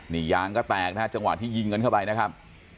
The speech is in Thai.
นี่ยางก็แตกนะฮะจังหวะที่ยิงกันเข้าไปนะครับ